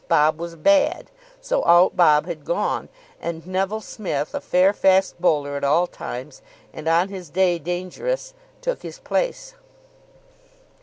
Bob was bad. So out Bob had gone, and Neville Smith, a fair fast bowler at all times and on his day dangerous, took his place.